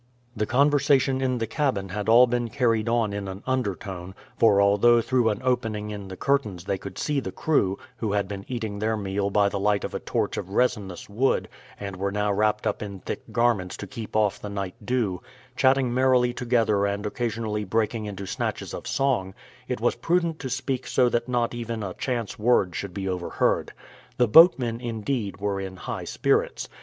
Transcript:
The conversation in the cabin had all been carried on in an undertone; for although through an opening in the curtains they could see the crew who had been eating their meal by the light of a torch of resinous wood, and were now wrapped up in thick garments to keep off the night dew chatting merrily together and occasionally breaking into snatches of song, it was prudent to speak so that not even a chance word should be overheard. The boatmen, indeed, were in high spirits.